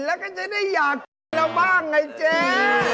แล้วก็จะได้อย่าบ้างไงเจ๊